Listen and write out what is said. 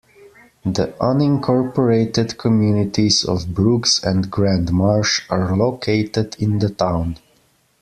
The unincorporated communities of Brooks and Grand Marsh are located in the town.